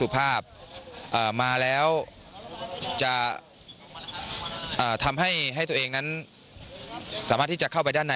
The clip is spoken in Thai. สุภาพมาแล้วจะทำให้ตัวเองนั้นสามารถที่จะเข้าไปด้านใน